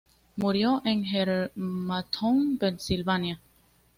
Murió en Germantown, Pensilvania.